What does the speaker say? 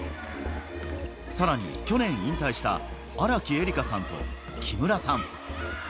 さらに去年引退した荒木絵里香さんと木村さん。